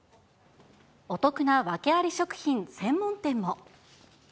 お得な訳あり食品専門店も。